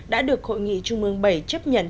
đã được hội nghị trung ương bảy chấp nhận